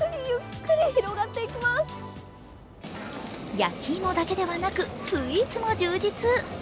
焼き芋だけではなく、スイーツも充実。